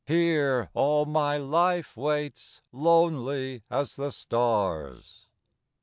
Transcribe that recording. Here all my life waits lonely as the stars.